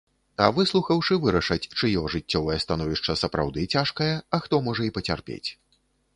А выслухаўшы, вырашаць, чыё жыццёвае становішча сапраўды цяжкае, а хто можа і пацярпець.